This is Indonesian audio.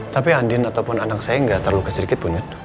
tapi andi ataupun anak saya nggak terluka sedikit pun ya